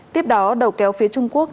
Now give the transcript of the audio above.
tiếp đó đầu kéo phía trung quốc